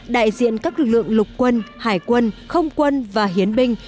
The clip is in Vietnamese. đại diện các lực lượng lục quân hải quân không quân và hiến binh